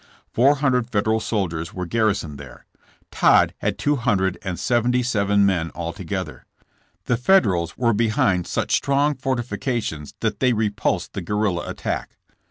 Four hundred Federal soldiers were garri soned there. Todd had two hundred and seventy seven men altogether. The Federals were behind such strong fortifications that they repulsed the guerrilla attack.